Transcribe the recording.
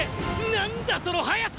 何だその速さ